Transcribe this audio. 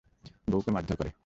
বউকে মারধর করে।